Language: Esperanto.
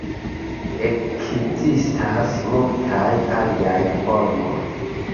Ekzistas multaj aliaj formoj.